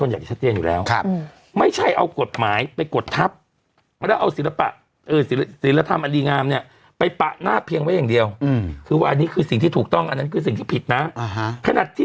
บางคนอ่ะก็อาจจะบอกว่าเป็นเรื่องปกติ